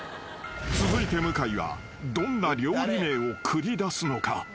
［続いて向井はどんな料理名を繰り出すのか？］